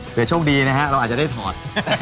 โชคดีนะฮะเราอาจจะได้ถอด